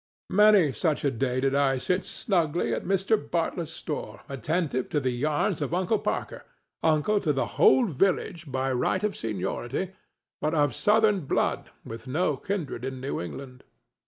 Many such a day did I sit snugly in Mr. Bartlett's store, attentive to the yarns of Uncle Parker—uncle to the whole village by right of seniority, but of Southern blood, with no kindred in New England.